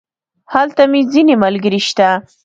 هلته مې ځينې ملګري شته.